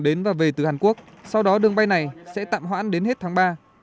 đến và về từ hàn quốc sau đó đường bay này sẽ tạm hoãn đến hết tháng ba